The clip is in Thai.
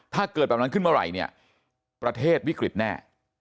ถ้าเกิดแบบนั้นขึ้นเมื่อไหร่เนี่ยประเทศวิกฤตแน่